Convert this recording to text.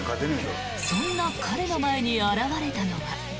そんな彼の前に現れたのは。